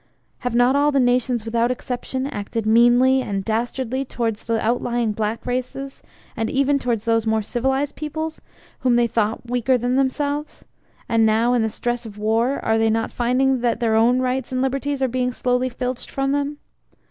Have not all the nations without exception acted meanly and dastardly towards the out lying black races, and even towards those more civilized peoples whom they thought weaker than themselves and now in the stress of war are they not finding that their own rights and liberties are being slowly filched from them?